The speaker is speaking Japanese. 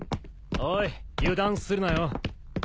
おい油断するなよ。